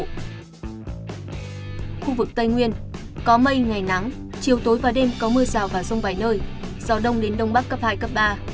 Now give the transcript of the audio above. khu vực tây nguyên có mây ngày nắng chiều tối và đêm có mưa rào và rông vài nơi gió đông đến đông bắc cấp hai cấp ba